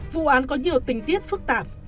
vụ án có nhiều tình tiết phức tạp